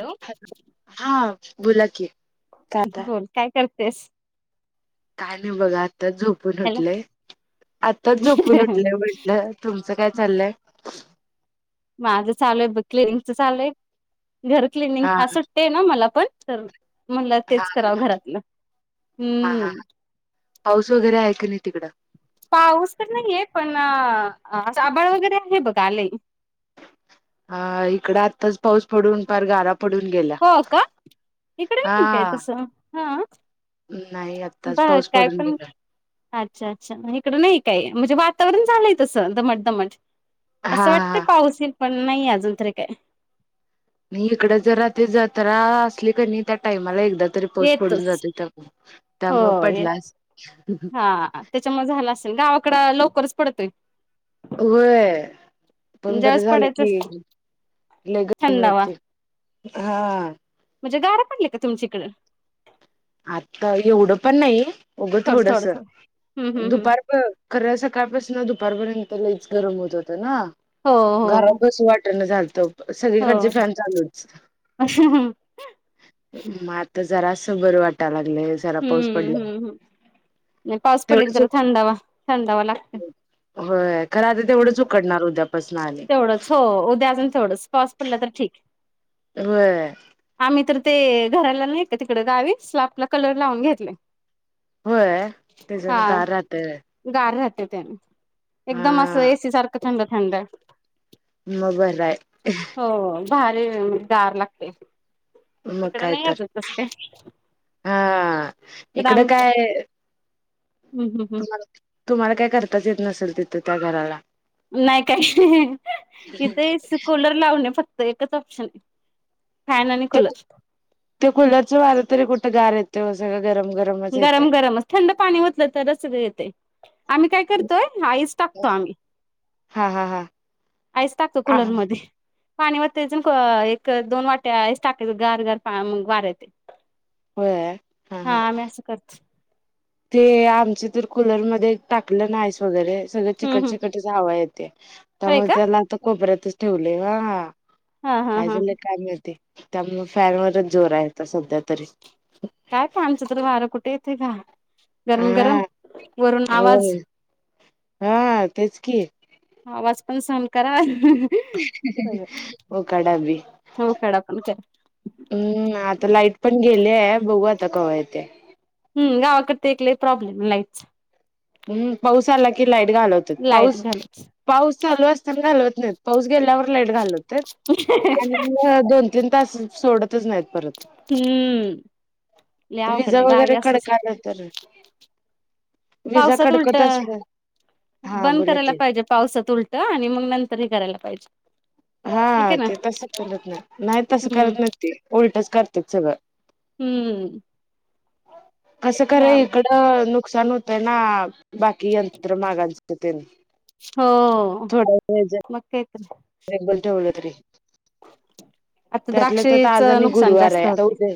Hello, हा बोला की काता बोल काय करतेस? काय नाही बघ, आताच झोपून हॅलो उठलेय, आताच झोपून उठलोय म्हटलं. तुमचं काय चाललंय? माझं चालूय बघ क्लिनिकच चालू आहे, घर क्लिनिंग, हा आज सु - ते ना मला पण, तर म्हटलं हा तेच करावं घरातलं, हा हा हं. पाऊस वगैरे आहे का नाही तिकडं? पाऊस तर नाहीये, पन असं आबाळ वगैरे आहे बघा आलय. हा, इकडं आत्ताच पाऊस पडून पार गारा पडून, गेला हो का, इकडे हा नाही काय तस, हा. नाही अ- बघा काय पण, अच्छा अच्छा, इकडं नाही काही, म्हणजे वातावरण झालंय तसं दमट-दमट, हा ''असं वाटतय हा पाऊस येल, पण नाही अजून काय, '' ''नाही, इकडं जरा ते जत्रा असली का नाही, त्या टाइमाला एकदा तरी, '' पाऊस पडून येतोच. जातय त्यामुळे, त्यामुळे पडला अस- ''हां, त्याच्यामुळे झाला असेल, गावाकडं लवकरच पडतोय. '' ''होय, पण बरं ज्यावेळेस झालं पडायचा की, '' लय गरमी थंडावा होते, हा. म्हणजे, गारा पडल्या का तुमच्याकडं? आता एवढं पण नाही, उगं थोडं थोडं थोडसं, थोडं हम्म हम्म हम्म दुपार- ''खरं सकाळपासून दुपारपर्यंत, लईच गरम होत होतं ना, हो '' हो घरत बसु वाटण झालतं. हो सगळीकडचे फॅन चालूच, ''म आता जरा असं बरं वाटायला लागलंय, जरा पाऊस हम्म पडला. '' हम्म ''पाऊस पडले की जरा थंडावा, थंडावा लागतो. '' ''व्हय, खरं आता तेवढंच उकडणार उद्यापासनं आली. '' ''तेवढंच, हो उद्या अजून थोडासा पाऊस पडला तर ठीक. '' व्हयं ''आम्ही तर ते घराला नाही का तिकडे गावी, स्लापला कलर लावून घेतले. '' ''व्हय, तेच्यान गार राहतये. '' ''गार राहत त्याने, एकदम असं हा एसी सारखं थंड थंड, '' मग बरं हाय, हो, भारी गार लागते. मग तिकडं काय नाही तर अजून तसं काय, हा इकडं आमच्या- हं हं तुम्हाला ''तुम्हाला काही करताच येत नसेल, तिथं त्या घराला. '' ''नाही काही, इथे ऐसी कुलर लावल फक्त इथे ऑप्शन, '' फॅन आणि कूलर, ''ते कूलरच वार तरी कुठं गार येत, सगळा गरम-गरम, '' ''गरम गरमच, थंड पाणी ओतलं तरच‌ येते. '' ''आम्ही काय करतोय, आईस टाकतो आम्ही. '' हां हां हां आईस टाकतो कुलर मध्ये, पाणी वतायच, एक दोन वाट्या आईस टाकायचं गार- गार वारा येते. होय, हां हा हां. आम्ही असं करतो ते आमचे तर कुलरमध्ये टाकलं ना, आईस वगैरे सगळं हम्म हम्म चिकट-चिकट- ''त्याची हवा येते, होय त्यामुळे का पलंग तर कोपऱ्यात च ठेवले हां. हा '' हा काय हा झालं काय माहिती त्या मुळे फॅन वरचं जोर आहे सध्या तरी. काय कामचं तर वारं कुठे येतेयं घा. गरम - हा गरम, वरून आवाज. होय. हा तेच की आवाज पण, सहन करा. उकडा बी. हो कडा पण करा हम्म, आता लाईट पण गेली आहे. बघू आता कवा येते. हम् गावाकडं ते एक लय प्रॉब्लेम लाईटच्या. हम्म, पाऊस आला की लाईट घालवते. लाईट पाऊस घालायची पाऊस चालू असताना घालवत नाही. पाऊस गेल्यावर लाईट घालवते. पहा दोन तीन तास सोडतं येतचं नाहीत परत हम्म लय तुम्ही अवघड आहे जावा गावी असलच खडकल्या तर विजा पावसात कडकत उलट्या असल्या हा बंद बोला करायला की पाहिजे पावसात उल आणि मग नंतर हे करायला पाहिजे. हाय की हा नाय ते तसं करत नाही, नाही तसं हम्म करत नाही ते उलटच करतात सगळं. हम्म, असं करयं इकडं नुकसान होतयं ना. बाकी यंत्र मागायचे तेन थोडं पाहिजे. अच्छा, लाईट बंद ठेवलं तरी आता त्यातलं त्यांत तर द्राक्षेच आज आणि नुकसान गुरुवार जास्त आहे आता होते उद्या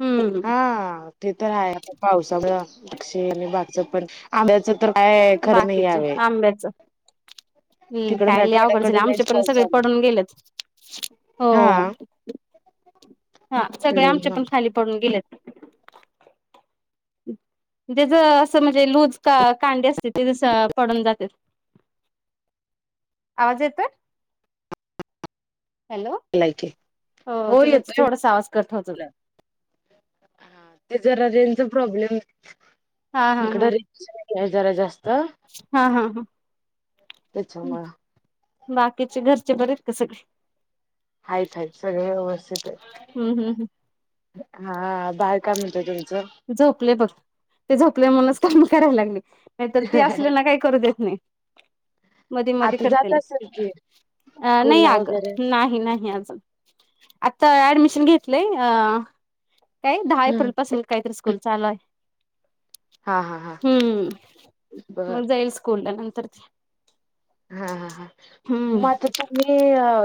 हम्म हा. ते तर आहे आता पावसामुळे शेत, आणि बागच पण आंब्याचं तर काय खरं नाही या बाकीचे वेळ. आंब्याच हम्म तिकडं काय लय अवघड मराठवाड्याकडे झालं आमचे लईचं पण पाऊस सगळे चालू आहे. पडून गेलेत हो हा. हा सगळे लई आमच्या महाग पण खाली पडून गेलेतं. त्याच म्हणजे लूजचं का कांडी असते तसं पडून जात्यातंय. आवाज येतोयं. हॅलो! झालाय की हो तुझं थोडं आवाज कट होतोयं. म्हटलं ते जरा रेनचा प्रॉब्लेम, हा हा हा इकडं रे जरा जास्तं हा हा हा. त्याच्यामुळ बाकीचे घरचे बरं का सगळे. आहे ताई सगळे व्यवस्थित आहे. हम्म हम्म हा बाळ काय म्हणतंय तुमचं? झोपलयं बघ. ते झोपल्या म्हणूनच काम करायला लागले, नाहीतर ते असल्या ना काही करू देत नाही. मध्ये - मध्ये आता करते जात असेल की अ - स्कूल नाही ला अगं वगैरे नाही - नाही अजून. आता ऍडमिशन घेतलंय अ काय दहा हम्म. एप्रिल पासून, काहीतरी स्कूल चालूयं हा हा हा हम्म, बर मग जाईल स्कूल ला नंतर हा हा हा हम्म म तुम्ही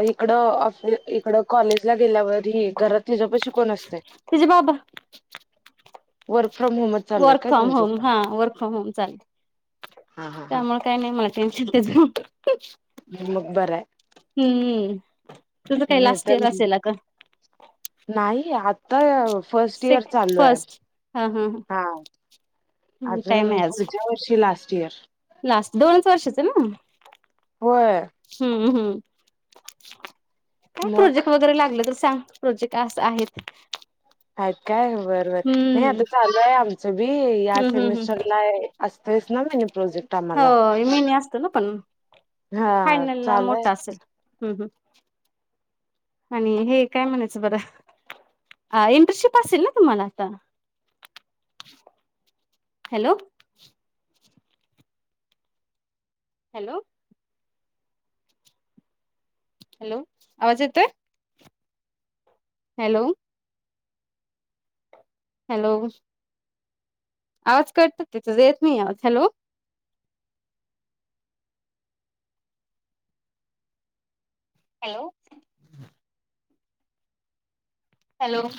इकडं ऑफि इकडं कॉलेज ला गेल्यावर घरात तिच्यापाशी कोण असतयं? तुझे बाबा वर्क फ्रॉम होमच चालूयं वर्क फ्रॉम होम काय? हा वर्क फ्रॉम होम चालेल हा. हा. त्यामुळे काय नाही मला टेन्शन त्याच [inaudible] मग बरं आहे हम्म तुझं काय लास्ट इयर नाहीतर असेल अगं नाही आता फर्स्ट इयर सेक चालू हाय फर्स्ट हा हा. टाइम अजून आहे आज पुढच्या वर्षी लास्ट इयर लास्ट दोनच वर्षाच न होय हम्म हम्म काय मग प्रोजेक्ट वगैरे लागलं तर सांग. प्रोजेक्ट असं आहेत. हाइत काय बर बर नाही हम्म आता चालू आहे आमचं बी या हम्म हम्म हम्म सेमीस्टरला असतंयच ना मीनी प्रोजेक्ट. हो आम्हाला. मीनी असत ना पण हा फायनल ला चालू आहे मोठा असल हम्म हम् आणि हे काय म्हणायचं बर हा इंटर्नशिप असेल ना तुम्हाला आता हॅलो हॅलो हॅलो आवाज येतोय हॅलो हॅलो आवाज कट होतोय तुझा येत‌ नाही आवाज हॅलो हॅलो हॅलो